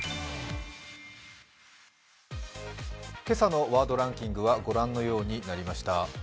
今朝のワードランキングは御覧のようになりました。